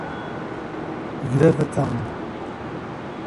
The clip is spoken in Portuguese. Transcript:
Gravatal